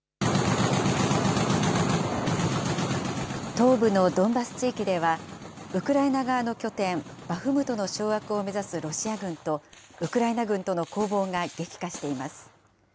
東部のドンバス地域では、ウクライナ側の拠点、バフムトの掌握を目指すロシア軍と、ウクライナ軍との攻防が激化しています。